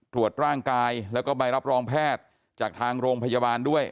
ตรวจร่างกายแล้วก็ใบรับรองแพทย์จากทางโรงพยาบาลด้วย